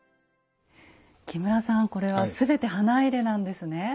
木村さんこれは全て花入なんですね。